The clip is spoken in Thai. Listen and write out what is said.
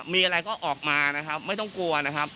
มีอะไรก็ออกมานะครับไม่ต้องกลัวนะครับ